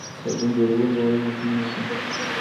د صابون جوړولو واړه ماشینونه شته